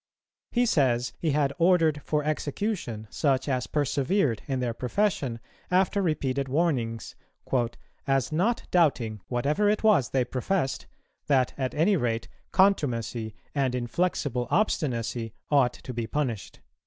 He says, he had ordered for execution such as persevered in their profession, after repeated warnings, "as not doubting, whatever it was they professed, that at any rate contumacy and inflexible obstinacy ought to be punished."